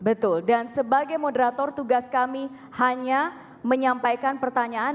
betul dan sebagai moderator tugas kami hanya menyampaikan pertanyaan